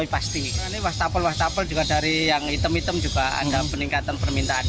pasti ini wastafel wastafel juga dari yang hitam hitam juga ada peningkatan permintaan